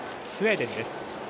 スウェーデンです。